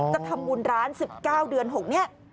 จะทำบุญร้าน๑๙เดือน๖นี้